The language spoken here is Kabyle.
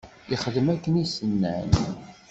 Yexdem akken i s-nnan.